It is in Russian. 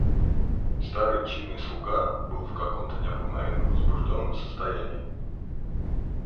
Старый чинный слуга был в каком-то необыкновенно возбужденном состоянии.